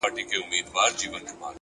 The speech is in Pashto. هره تجربه نوی درک راوړي.